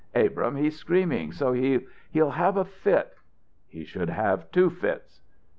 "Abrahm, he's screaming so he he'll have a fit." "He should have two fits."